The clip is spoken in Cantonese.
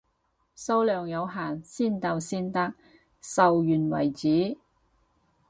數量有限，先到先得，售完為止，